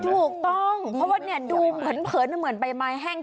ถูกต้องเพราะว่าดูเผินเหมือนใบไม้แห้ง